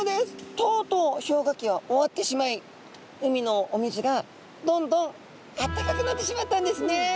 とうとう氷河期は終わってしまい海のお水がどんどんあったかくなってしまったんですね。